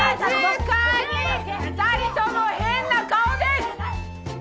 ２人とも変な顔です！